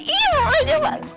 iya wajah bagus